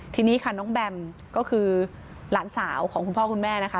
ทีนี้ค่ะน้องแบมก็คือหลานสาวของคุณพ่อคุณแม่นะคะ